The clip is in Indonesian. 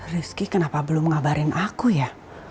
rizky kenapa belum mengabarin aku ya